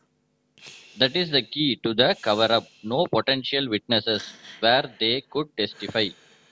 That is the key to the cover-up: no potential witnesses where they could testify.